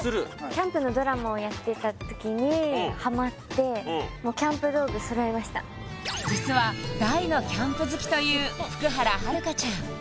キャンプのドラマをやってた時にハマって実はという福原遥ちゃん